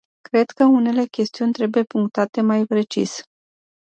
Cred că unele chestiuni trebuie punctate mai precis.